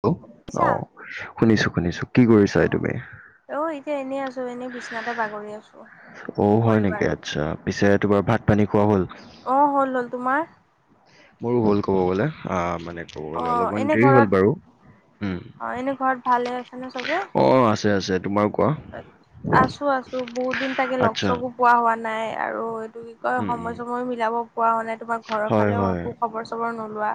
হেল আছা অ শুনিছো। শুনিছো। কি কৰিছা অ তুমি? অ এতিয়া এনেই আছো। এনে বিছনাতে বাগৰি আছো। অ কি হয় কৰিবা নেকি আৰু আচ্ছা। পিছে তোমাৰ ভাত-পানী খোৱা হ'ল? আহ হল। হল তোমাৰ? মোৰো হ'ল ক'ব গ'লে। আহ মানে ক'ব অ গলে অলপমান এনে দেৰি ঘৰত হ'ল বাৰু। উম অ এনে ঘৰত ভালে আছেনে চবে? অ আছে আছে তোমাৰ কোৱা আছো। আছো। বহুত দিন তাকে লগ আচ্ছা চগো পোৱা হোৱা নাই। আৰু কি কয় উম সময় উম চয় মিলাব পোৱা হোৱা নাই তোমাৰ ঘৰৰ হয় ফালেও হয় একো খবৰ চবৰ নোলোৱা।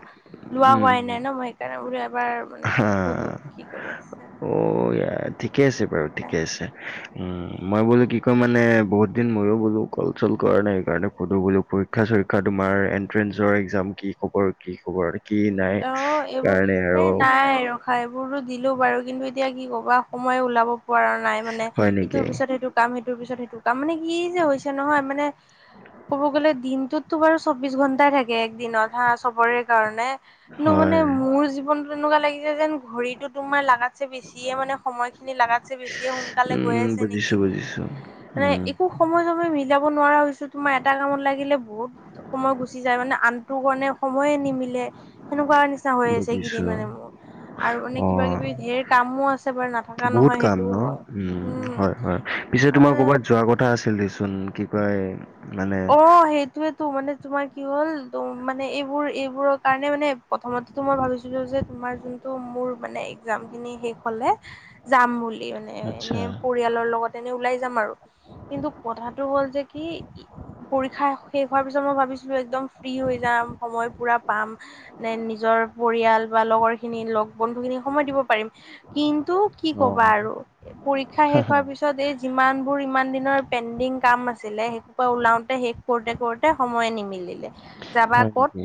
লোৱা উম হোৱাই উম, নাই ন, মই সেইকাৰণে বোলো এবাৰ মানে হা সুধো, কি কৰি আছে? অ' ইয়া, ঠিকে আছে বাৰু ঠিকে সেইকাৰণে আছে। উম মই বোলো কি কয় মানে বহুত দিন ময়ো বোলো কল চল কৰা নাই। সেইকাৰণে সধো বোলো পৰীক্ষা-চৰীক্ষা তোমাৰ এট্ৰেঞ্চৰ একজামৰ কি খব কি খবৰ কি নাই অ' এইবোৰ কাৰণে এ আৰু নাই ৰখা এইবোৰতো দিলো বাৰু, কিন্তু এতিয়া কি ক'বা সময়ে ওলাব পঢ়া নাই মানে। হয় নেকি? ইটোৰ পিছত সেইটো কাম সেইটোৰ পিছত সেইটো কাম মানে কি যে হৈছে নহয় মানে ক'ব গ'লে দিনটোতো বাৰু চৌবিশ ঘন্টাই থাকে একদিনত হা চবৰে কাৰণে মানে হয়। মোৰ জীৱনতো এনেকুৱা লাগিছে যেন, ঘড়ীতটো তোমাৰ লাগাতছে বেছিয়ে মানে সময় খিনি লাগতছে বেছিয়ে সোনকালে গৈ উম, আছে বুজিছো, নেকি। বুজিছো। মানে উম, একো সময় চময় মিলি যাব নোৱাৰা হৈছো, তোমাৰ এটা কামত লাগিলে বহুত সময় গুচি যায় মানে, আনটো কাৰণে সময়ে নিমিলে। সেনেকুৱা নিচিনা না হৈ আছে কেইদিন বুজিছো। মানে মোৰ। আৰু মানে কিবা অ' কিবি ঢেৰ কামো আছে বাৰু নাথকা বহুত নহয়, কাম সেইটোও ন? হয়। উম হয়, হয়। পিছে তোমাৰ আৰু কৰ'বাত যোৱা কথা আছিল দেচোন। কি কয় মানে অ সেইটোয়েতো মানে তোমাৰ কি হ'ল, মানে এইবোৰ এইবোৰৰ কাৰণে মানে প্ৰথতে মই ভাবিছিলো যে তোমাৰ যোনটো মোৰ মানে একজাম খিনি শেষ হলে যাম বুলি মানে আচ্ছা, এনে পৰিয়ালৰ লগত এনে ওলাই য যাম আৰু কিন্তু কথাটো হ'ল যে কি পৰীক্ষা শেষ হোৱাৰ পিছত মই ভাবিছিলো একদম ফ্ৰী হৈ যাম সময় পুৰা পাম। নে নিজৰ পৰিয়াল বা লগৰ খিনি লগ বন্ধু খিনি সময় দিব পাৰিম। কিন্ত টো কি ক'বা অ' আৰু পৰীক্ষা শেষ হোৱাৰ পিছত এই যিমান বোৰ ইমান দি পেণ্ডিং কাম আছিলে সেইটো ৰ পৰা ওলাওতে শেষ কৰোতে কৰোতে সময়ে নিমিলিলে। যাবা হয় ক'ত? নেকি?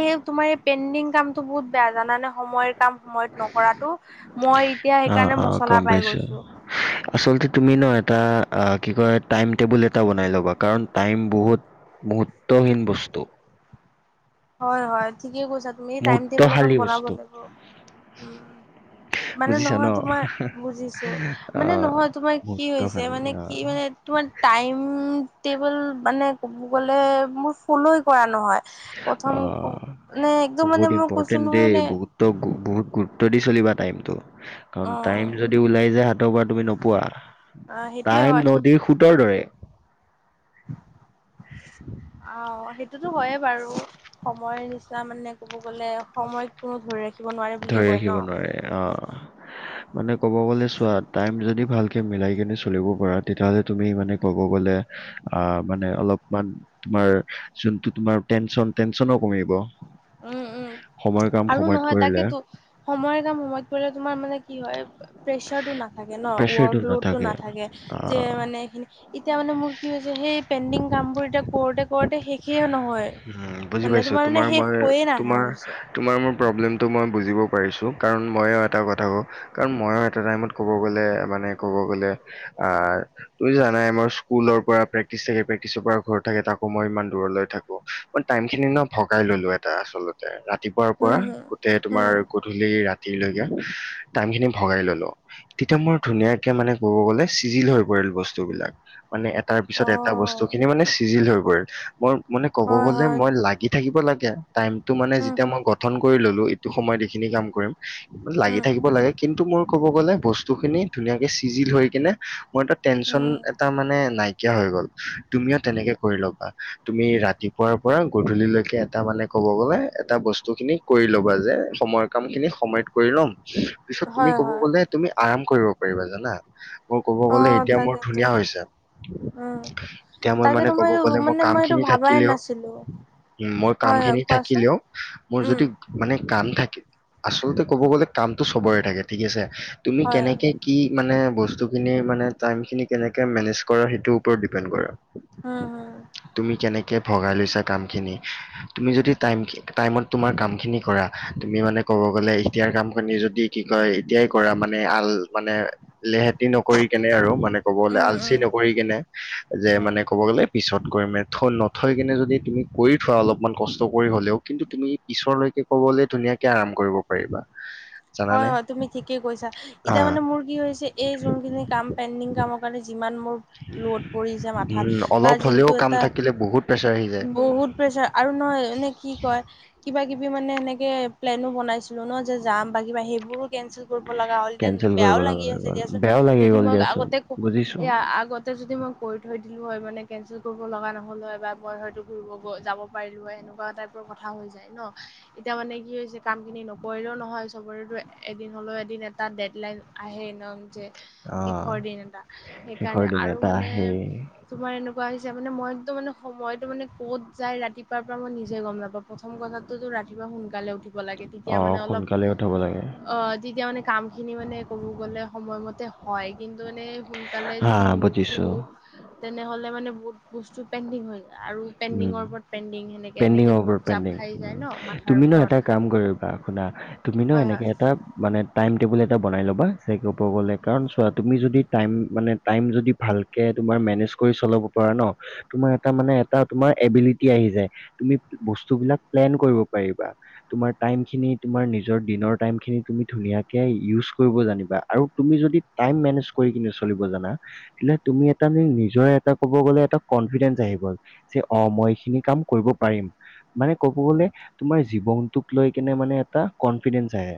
এই তোমাৰ পেণ্ডিং কামতো বহুত বেয়া জানানে সময়ৰ কাম সময়ত নকৰাটো। মই এতিয়া অ সেইকাৰণে অ গম মছলা পাই পাইছো, গৈছো আচলতে তুমি ন' এটা অ, কি কয় টাইম টেবুল এটা বনাই ল'বা কাৰণ টাইম বহুত মুহূৰ্তহীন বস্তু। হয় হয় ঠিকে কৈছা তুমি। টাইম টেবুল এখন মুহূৰ্তশালী বনাব বস্তু লাগিব, উম। [unintelligible] মানে ন? নহয় তোমাৰ, বুজিছো, মানে অ' নহয় তোমাৰ কি হৈছে মুহূৰ্তশালী মানে অ', কি মানে তোমাৰ টাইম টেবুল মানে ক'ব গলে মোৰ ফ'লই কৰা নহয়। অ, প্ৰথম মানে একদম বহুত মানে মই কৈছো ইম্পৰ্টেণ্ট নহয় দেই মানে বহুত্ত বহুত গুৰু ত্ব দি চলিবা টাইমটো অ কাৰণ টাইম যদি ওলাই যায় হাতৰ পৰা তুমি নোপোৱা। সেইটোয়ে টাইম নদীৰ সোঁতৰ দৰে। আও সেইটোতো হয়ে বাৰু সময় সময়ৰ নিচিনা মানে ক'ব গলে সময়ক কোনো ধৰি ৰাখি ধৰি ৰাখিব নোৱাৰে অ মানে ক'ব গ'লে চোৱা টাইম যদি ভালকৈ মিলাই কিনে চলিব পৰা তেতিয়াহ'লে তুমি মানে ক'ব গ'লে অ মানে অলপমান তোমাৰ যোনটো তোমাৰ টেনশ্যন টেনশ্যনো কমিব উম উম সময়ৰ কাম আৰু সময়ত নহয় কৰিলে তাকেতো সময়ৰ কাম সময়ত কৰিলে তোমাৰ মানে কি হয় প্ৰেচাৰটো নাথাকে ন ৱৰ্ক লোড টো নাথাকে যে আহ মানে এইখিনি এতিয়া মানে মোৰ কি হৈছে সেই পেণ্ডিং কাম বোৰ এতিয়া কৰোতে কৰোতে শেষে নহ উ বুজি পাইছো তোমাৰ আমাৰ হৈয়ে নাহা হৈছে তোমাৰ ম প্ৰব্লেমটো মই বুজিব পাৰিছোঁ কাৰণ ময়ো এটা কথা কওঁ কাৰণ ময়ো এটা টাইমত ক'ব গ'লে মানে ক'ব গ'লে আহ তুমি জানাই মোৰ স্কুলৰ পৰা প্ৰেক্টিছ থাকে প্ৰেক্টিচৰ পৰা ঘৰ থাকে তাকো মই ইমান দূৰলৈ থাকো মানে টাইম খিনি ন ভগাই লৈ লোৱা এটা আচলতে ৰা ৰাতিপুৱাৰ পৰা হম গোটেই তোমাৰ হম গধূলি ৰাতি [unintelligible] টাইম খিনি ভগাই ল লো তেতিয়া মোৰ ধুনীয়াকে মানে কব গলে চিজিল হৈ পৰে [unintelligible] মানে এটাৰ পিছত হম অ এটা বস্তু খিনি মানে চিজিল হৈ পৰে মোৰ মানে কব হয় গলে হয় মই লাগি থাকিব লাগে টাইমটো মানে উম যেতিয়া মই গঠন কৰি ললো ইটো সময়ত এইখিনি কাম কৰিম লাগি উম থাকিব লাগে কিন্তু মোৰ ক'ব গলে বস্তু খিনি ধুনীয়াকে চিজিল হৈ কিনে মই এটা টেনচন এটা উম মানে নাই নাইকিয়া হৈ গল তুমিও তেনেকে কৰি ল'বা তুমি ৰাতিপুৱাৰ পৰা গধূলিলৈকে এটা মানে কব গলে এটা বস্তু খিনি কৰি ল'বা যে সময়ৰ কাম খিনি সময়ত কৰি ল'ম পিছত তুমি হয় কব হয় গলে তুমি আৰাম কৰিব পাৰিবা জানা মোৰ কব অ গ'লে এতিয়া মোৰ তাকেতো ধুনীয়া হৈছে উম এতিয়া মই মানে তাকেতো কব এইটো গলে মোক মানে কাম মই এইটো খিনি ভাবাই থাকিলেও নাছিলো মোৰ হয় কাম হয় খিনি কোৱাচোন থাকিলেও মোৰ উম যদি মানে কাম থাকে আচলতে ক'ব গ'লে কামটো চবৰে থাকে ঠিক আছে তুমি হয় কেনেকে কি মানে বস্তুখিনি মানে টাইম খিনি কেনেকে মেনেজ কৰা সেইটোৰ ওপৰত ডিপেণ্ড কৰে হুম হুম তুমি কেনেকে ভগাই লৈছা কামখিনি তুমি যদি টাইমত তোমাৰ কাম খিনি কৰা তুমি মানে কব গ'লে এতিয়াৰ কাম খিনি যদি কি কয় এতিয়াই কৰা মানে আল মানে লেহেতি নকৰি কেনে আৰু মানে ক'ব গ'লে উম আলচি উম নকৰি কেনে যে উম মানে ক'ব গ'লে পিছত কৰিমে নথৈ কিনে যদি তুমি কৰি থোৱা অলপমান কষ্ট কৰি হলেও কিন্তু তুমি পিছলৈকে ক অকলে ধুনীয়াকে আৰাম কৰিব পাৰিবা হয় জানানে হয় তুমি ঠিকেই কৈছা অ এতিয়া মানে মোৰ কি হৈছে এই যোনখিনি কাম পেণ্ডিং কামৰ কাৰণে যিমান মোৰ লৌত পৰিছে মাথাত উম বা অলপ হ'লেও যোনটো কাম এটা থাকিলে বহুত প্ৰেছাৰ আহি যায় বহুত প্ৰেচাৰ আৰু নহয় এনে কি কয় কিবা কিবি মানে সেনেকে প্লেনো বনাইছিলো ন বিবা সেইবোৰো কেনচেল কৰিব লগা হ'ল তে কেনচেল বেয়াও কৰিব লগা লাগি হৈ আছে গ'ল দিয়াচোন বেয়াও লাগি যদি গ'ল মই দিয়াচোন আগতে ক বুজিছো এয়া আগতে যদি মই কৰি থৈ দিলো হয় মানে কেনচেল কৰিব লগা নহ'ল হয় বা মই হয়তো ঘুৰিব যাব পাৰিলো হয় সেনেুৱা টাইপ কথা হৈ যায় ন এতিয়া মানে কি হৈছে কাম খিনি নকৰিলেও নহয় খবৰেতো এদিন হ'লেও এদিন এটা ডেড লাইন আহে এ নও যে অ শেষৰ দিন এটা শেষৰ সেইকাৰণে দিন আৰু এটা মানে আহেই তোমাৰ এনেকা মানে মই একদম মানে সময়টো মানে ক'ত যাই ৰাতিপুৱাৰ পৰা মই নিজে গম নাপাওঁ প্ৰথম কথাটো ৰাতিপুৱা সোনকালে উঠিব লাগে তেতিয়া মানে অলপ উ থ'ব লাগে অ তেতিয়া মানে কাম খিনি মানে কব গলে সময়মতে হয় কিন্তু মানে সোনকালে হা যদি নুঠো বুজিছো তেনেহলে মানে বহুত বস্তু [unintelligible] হৈ যায় আৰু পেণ্ডিঙৰ উম ওপৰত পেণ্ডিং সেনেকে পেণ্ডিং এনেকে অভাৰ বহুত জাপ পেণ্ডিং। খাই যায় উম। ন মাথাৰ তুমি ন ওপৰত এটা কাম কৰিবা শুনা তুমিনো হয় হয় এনেকে এটা মানে টাইম টেবুল এটা বনাই ল'বা চেকলে কাৰণ চোৱা তুমি যদি টাইম মানে টাইম যদি ভালকে তোমাৰ মেনেজ কৰি চলাব পাৰা ন তোমাৰ এটা এটা মানে এভিলিটি আহি যায় তোমি বস্তু বিলাক প্লেন কৰিব পাৰিবা তমাৰ তাইম খিনি [unintelligible] কিৰিপ কিনি চলিব জানা তেয়া তুমি এটা নিজৰ এটা ক'ব গ'লে এটা কনফিডেন্ঞ্চ আহি গল যে অ মই এইখিনি কাম কৰিব পাৰিম মানে কব গলে তোমাৰ জীৱনটোক লৈ কেনে মানে এটা কনফিডেন্ঞ্চ আহে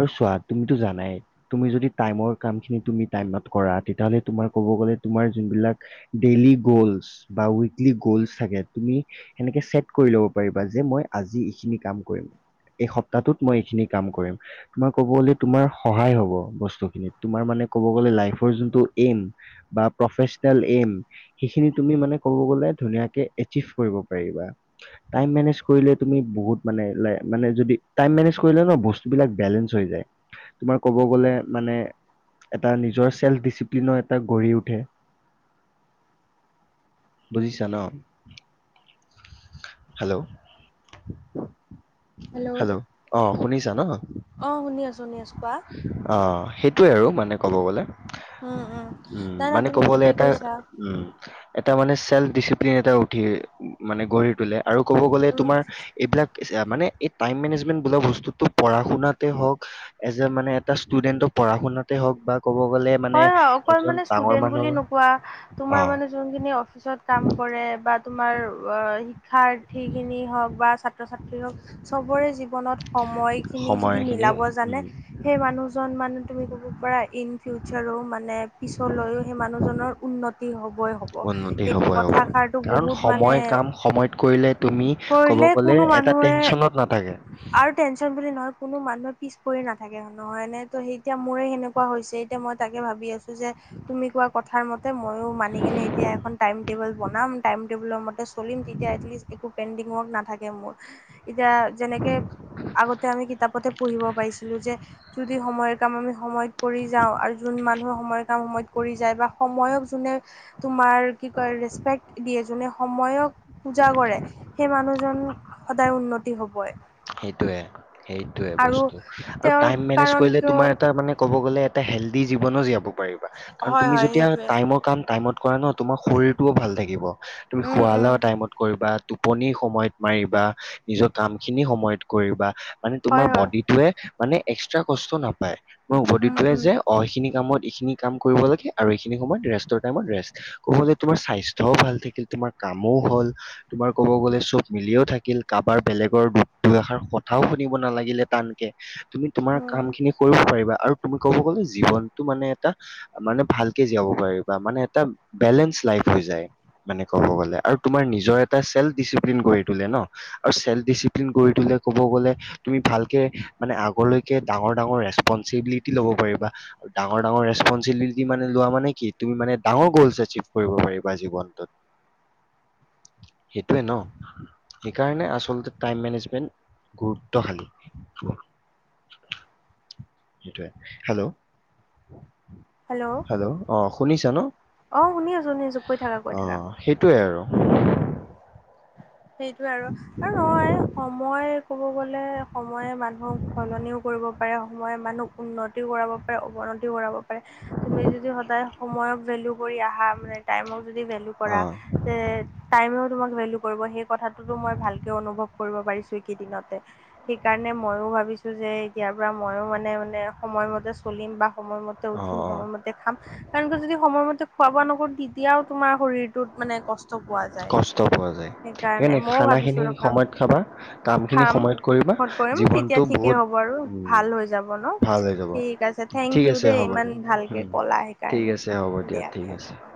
আৰু চোৱা তুমিতো জানাই তুমি যদি টাইমৰ কাম খিনি তুমি টাইমত কৰা তেতিয়াহ'লে তুমি কব গলে তোমাৰ যোনবিলাক দেলি গল [unintelligible] গ'ল চাগে তুমি সেনেকে চেট কৰি ল'ব পাৰিবা যে মই আজি এইখিনি কাম কৰিম এই সপ্তাহটোত মই এইখিনি কাম কৰিম তোমাৰ কব গ'লে তোমাৰ সহায় হব বস্তুখিনিত তোমাৰ মানে [unintelligible] ধুনিয়াকে এটিফ কৰিব পাৰিবা টাইম মেনেজ কৰিলে তুমি বহুত মানে মানে যদি টাইম মেনেজ কৰিলে ন বস্তুবিলাক বেলেঞ্চ হৈ যায় তোমাৰ কব গলে মানে এটা নিজৰ চেল্ফ ডিচিপ্লিনৰ এটা গঢ়ি উঠে বজি জান হেল্ল' হেল্ল' অ শুনিছা ন অ শুনি আছো শুনি আছো কোৱা অ সেইটোৱে আৰু মানে ক'ব গলে উম উম নাই নাই মানে তুমি ক'ব গলে ঠিকেই এটা কৈছা উ এটা মানে চেল্ফ ডিচিপ্লিন এটা উঠি মানে গঢ়ি তোলে আৰু ক'ব গ'লে উম তোমাৰ এইবিলাক মানে টাইম মেনেজমেন্ট বোলা বস্তুতো পঢা শুনাতে হওক এজ এ মানে এটা ষ্টুডেন্ট পঢ়া শুনাতে হওক বা ক'ব গ'লে মানে হয় হয় অকল এজন মানে ডাঙৰ ষ্টুডেন্ট বুলি মানুহৰ নোকোৱা তোমাৰ অ' মানে যোনখিনি অফিচত [unintelligible] বা তোমাৰ অ শ শিক্ষাৰ্থী খিনি হওক বা ছাত্ৰ ছাত্ৰী হওক চবৰে জীৱনত সময় খিনি যদি মিলে সময়খিনি মিলাব জানে উম, সেই মানুহজন মানে তুমি [unintelligible] [unintelligible] মানে পিছলৈও সেই মানুহজনৰ উন্নতি হবই হব উন্নতি সেইটো হ'বই হ'ব। কথাষাটো কাৰণ বহুত মানে সময় কাম সময়ত কৰিলে তুমি ক'ব কৰিলে গ'লে কোনো এটা মানুহে টেনচনত নাথাকে। আৰু টেনচন বুলি নহয় কোনো মানুহে পিছ কৰি নাথাকেহয় এনে তো স এতিয়া মৰে সেনেকুৱা হৈছে এতিয়া মই তাকে ভাবি আছো যে তুমি কোৱা কথা মতে মইো মানি কেনে এতিয়া এখন টাইম টেবুল বনাম টাইম [unintelligible] নাথাকে মোৰ এতিয়া যেনেকে আগতে আমি কিতাপ পথে পঢ়িব পাইছিলো যে যদি সময়ৰ কাম আমি সময়ত কৰি যাওঁ আৰু যোন মানুহে সময়ৰ কাম সময়ত কৰি যায় বা সময়ক যোনে তোমাৰ কি কয় ৰেচপেক্ট দিয়ে জোনে সময়ক পূজা কৰে সেই মানুহজন সদায় উন্নতি হবই, সেইটোয়ে সেইটোয়ে আৰু বস্তু আৰু তেওঁৰ টাইম মেনেজ কাৰণ কৰিলে কিয় তোমাৰ এটা মানে এ হ জন পাৰা কাৰ হয় তুমি হয় যেতিয়া সেইটোৱে। ক কৰা ন তোমাৰ শৰীৰতটোও ভাল থাকিব তুমি উম উম খুৱাও টাইমত কৰিবা টোপনি সময়ত মাৰিবা নিজৰ কাম খিনি সময়ত কৰিবা- মানে তোমাৰ হয় হয় বডিটোৱে মানে এক্সট্ৰা কষ্ট নাপায় মোৰ উম বডিটয়ে উম যে অহে খিনি কামত এইখিনি কাম কৰিব লাগে আৰু এইখিনি সময়ত ৰেষ্টৰ টাইমত ৰে কৰিব তোমাৰ স্বাস্থ্যও ভাল থাকিল তোমাৰ কামো হল তোমাৰ ক'ব গ'লে চব মিলিও থাকিল কাৰোবাৰ বেলেগৰ দুইষাৰ কথাও শুনিব নালাগিলে টানকে তুমি তোমাৰ উম কাম খিনি কৰিব পাৰিবা আৰু তুমি ক'ব গলে জীৱনটো মানে এটা মানে ভালকে জীয়াব পাৰিবা মানে এটা বেলেঞ্চ লাইফ হৈ যায়। মানে ক'ব গ'লে আৰু তোমাৰ নিজৰ এটা চেল ডিচিপ্লিন কৰি তোলে ন' আৰু চেল ডিচি প্লিন কৰি তোলে কব গলে তুমি ভালকে মানে আগলৈকে ডাঙৰ - ডাঙৰ ৰেচপঞ্চিবিলিটি লব পাৰিবা ডাঙৰ - ডাঙৰ ৰেস্পঞ্চিবিলিটি মানে লোৱা মানে কি তুমি মানে ডাঙৰ গল এচিভ কৰিব পাৰিবা। জীৱনটোত সেইটোৱে ন'সেইকাৰণে আচলতে টাইম মেনেজমেন্ট গুৰুত্বশালী সেইটোৱে হেল্ল', হেল্ল', অ, শুনিছা ন? অ, শুনি আছো - শুনি আছো কৈ থাকা- কৈ অ থাকা। সেইটোৱে আৰু সেইটোয়ে আৰু- আৰু নহয় সময় ক'ব গ'লে সময়ে মানুহক সলনিও কৰিব পাৰে সময়ে মানুহক উন্নতিও কৰাব পাৰে অৱ উন্নতিও কৰাব পাৰে তুমি যদি সদায় সময়ক ভেলু কৰি ৰাখা মানে টাইমক যদি ভেলু অ কৰা তে টাইমো তোমাক ভেলু কৰিব সে কথাটোতো মই ভালকে অনুভৱ কৰিব পাৰিছো। দুই কেইদিনতে সেইকাৰণে ময়ো ভাবিছোঁ যে এতিয়াৰ পৰা ময়ো মানে -মানে সময়মতে চলিম বা সময়মতে অ উঠিম অ সময়মতে খাম কাৰণ কি যদি সময়মতে খোৱা বোৱা নকৰো তেতিয়াও তোমাৰ শৰীৰটোত মানে কষ্ট পোৱা যায় কষ্ট পোৱা যায়। সেইকাৰণে এনে ময়ও ভাবিছো খানাখিনি ৰখা সময়ত খাবা কামখিনি খাম সময়ত কৰিবা ফোন কৰিম জীৱনটো তেতিয়া ঠিকেই বহুত হ'ব আৰু উম, ভাল হৈ যাব ন ভাল হৈ যাব ঠিক আছে ঠিক থেংক ইউ আছে দেই হ'ব ইমান দিয়া হম, ভালকে ক'লা ঠিক সেইকাৰণে আছে হ'ব। দিয়া - ঠিক দিয়া দে আছে অ,